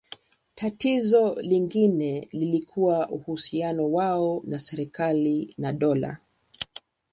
Tatizo lingine lilikuwa uhusiano wao na serikali na dola.